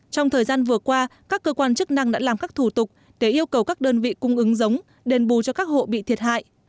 trong thời gian vừa qua các cơ quan chức năng đã làm các thủ tục để yêu cầu các đơn vị cung ứng giống đền bù cho các hộ bị thiệt hại